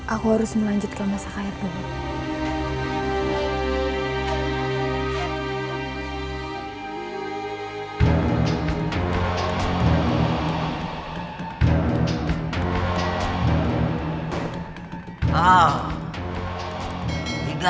aku harus melanjutkan masa kaya dulu